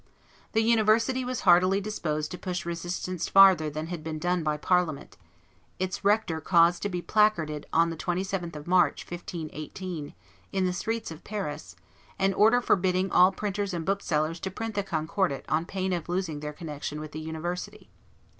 The University was heartily disposed to push resistance farther than had been done by Parliament: its rector caused to be placarded on the 27th of March, 1518, in the streets of Paris, an order forbidding all printers and booksellers to print the Concordat on pain of losing their connection with the University.